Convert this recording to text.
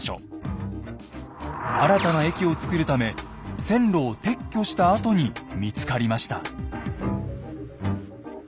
新たな駅をつくるため線路を撤去したあとに見つかりました。